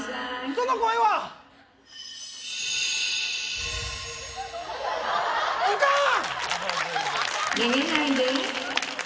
その声はおかん！